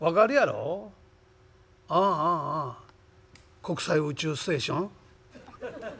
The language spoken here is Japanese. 「ああああああ国際宇宙ステーション？」。